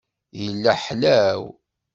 Yella ḥlaw.